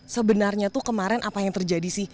sebenarnya tuh kemarin apa yang terjadi sih